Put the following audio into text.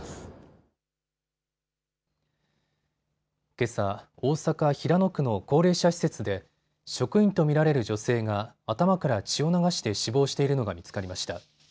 けさ、大阪平野区の高齢者施設で職員と見られる女性が頭から血を流して死亡しているのが見つかりました。